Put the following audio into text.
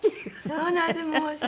そうなんです。